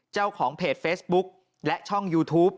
เจ้าของเพจเฟซบุ๊กและช่องยูทูป